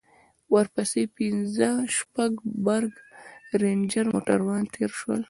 ورپسې پنځه شپږ برگ رېنجر موټران تېر سول.